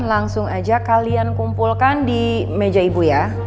langsung aja kalian kumpulkan di meja ibu ya